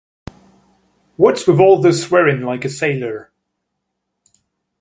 What's with all the swearin' like a sailor?